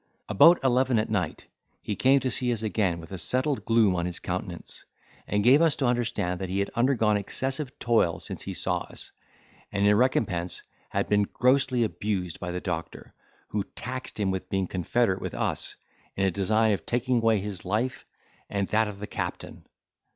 About eleven at night he came to see us again with a settled gloom on his countenance, and gave us to understand that he had undergone excessive toil since he saw us, and in recompense had been grossly abused by the doctor, who taxed him with being confederate with us, in a design of taking away his life and that of the captain.